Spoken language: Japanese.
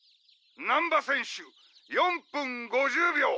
難波選手４分５０秒。